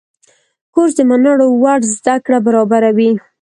کورس د منلو وړ زده کړه برابروي.